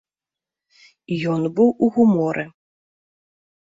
Ён быў у гуморы.